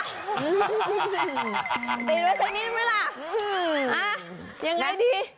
ติดไว้สักนิดมั้ยล่ะยังไงดี